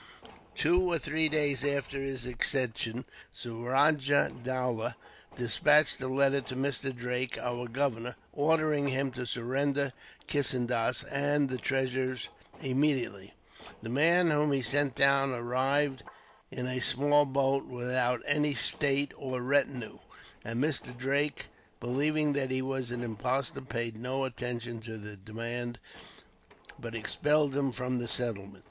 "Two or three days after his accession, Suraja Dowlah despatched a letter to Mr. Drake, our governor, ordering him to surrender Kissendas and the treasures immediately. The man whom he sent down arrived in a small boat, without any state or retinue; and Mr. Drake, believing that he was an impostor, paid no attention to the demand, but expelled him from the settlement.